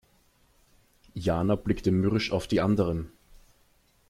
Jana blickte mürrisch auf die anderen.